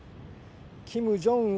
キム・ジョンウン